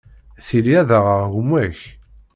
Tili ad aɣeɣ gma-k.